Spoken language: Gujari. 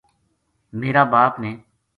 میرا باپ نے